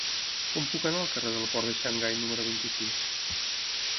Com puc anar al carrer del Port de Xangai número vint-i-sis?